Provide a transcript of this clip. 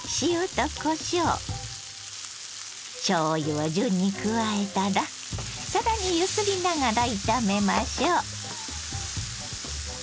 を順に加えたら更に揺すりながら炒めましょう。